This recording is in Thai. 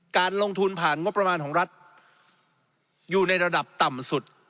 การลงทุนผ่านงบประมาณของรัฐอยู่ในระดับต่ำสุด